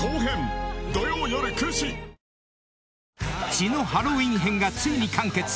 ［『血のハロウィン編』がついに完結］